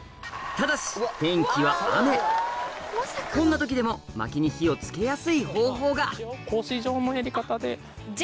ただし天気はこんな時でも薪に火を付けやすい方法がのやり方で。